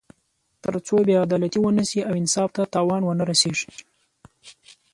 تر څو بې عدالتي ونه شي او انصاف ته تاوان ونه رسېږي.